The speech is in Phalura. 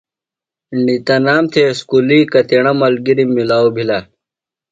ݨ تنام تھےۡ اُسکُلیۡ کتیݨہ ملگِریۡ ملاؤ بِھلہ؟